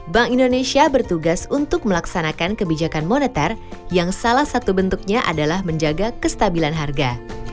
bank indonesia bertugas untuk melaksanakan kebijakan moneter yang salah satu bentuknya adalah menjaga kestabilan harga